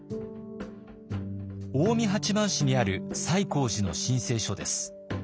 近江八幡市にある西光寺の申請書です。